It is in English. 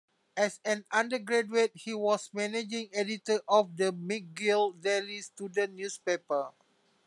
As an undergraduate, he was managing editor of the "McGill Daily" student newspaper.